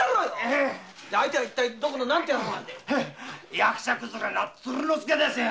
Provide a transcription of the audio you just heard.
役者崩れの鶴之助です。